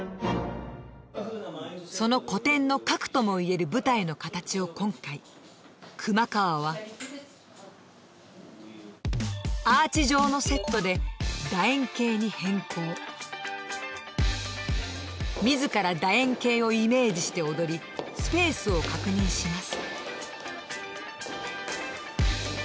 その古典の核ともいえる舞台の形を今回熊川はアーチ状のセットで楕円形に変更自ら楕円形をイメージして踊りスペースを確認します